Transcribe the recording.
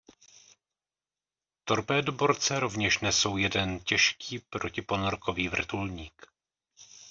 Torpédoborce rovněž nesou jeden těžký protiponorkový vrtulník.